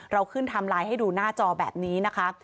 เราขึ้นไทม์ไลน์ให้ดูหน้าจอแบบนี้นะคะ